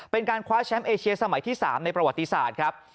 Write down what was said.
เป็นการคว้าแชมป์เอเชียสมัยที่๓ในประวัติศาสตร์ครับ